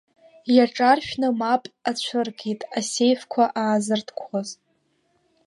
Иаҿаршәны мап ацәыркит асеифқәа аазыртқәоз.